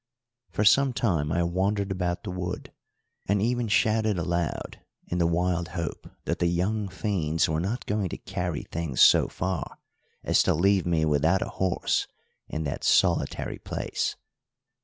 For some time I wandered about the wood, and even shouted aloud in the wild hope that the young fiends were not going to carry things so far as to leave me without a horse in that solitary place.